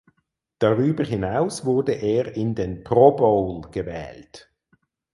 Darüber hinaus wurde er in den Pro Bowl gewählt.